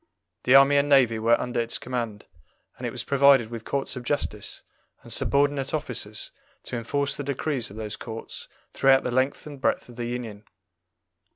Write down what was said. The army and navy were under its command, and it was provided with courts of justice, and subordinate officers to enforce the decrees of those courts throughout the length and breadth of the Union.